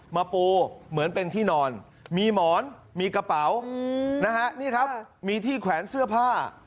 มาปูเหมือนเป็นที่นอนมีหมอนมีกระเป๋ามีที่แขวนเสื้อผ้า